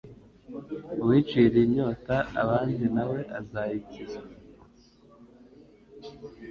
uwicira inyota abandi na we azayikizwa